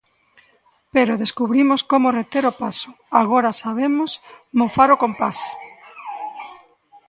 Pero descubrimos como reter o paso; agora sabemos mofar o compás.